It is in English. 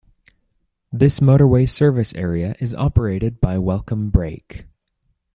This motorway service area is operated by Welcome Break.